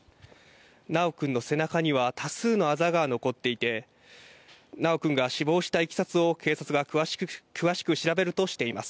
修君の背中には多数のあざが残っていて、修君が死亡したいきさつを警察が詳しく調べるとしています。